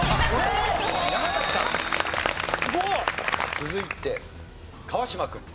続いて川島君。